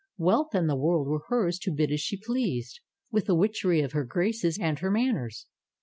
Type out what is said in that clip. Wealth and the world were hers to bid as she pleased, with the witchery of her graces and her' manners.